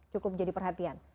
cukup jadi perhatian